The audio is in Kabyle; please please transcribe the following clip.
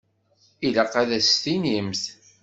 Ilaq ad as-tinimt.